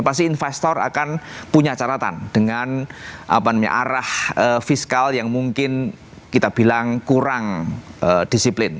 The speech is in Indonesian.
pasti investor akan punya caratan dengan arah fiskal yang mungkin kita bilang kurang disiplin